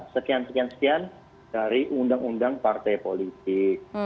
sekian sekian sekian dari undang undang partai politik